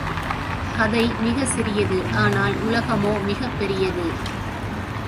கதை மிகச் சிறிது, ஆனால் உலகமோ மிகப் பெரிது.